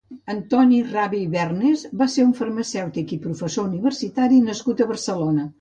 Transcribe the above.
Antoni Rave i Bergnes va ser un farmacèutic i professor universitari nascut a Barcelona.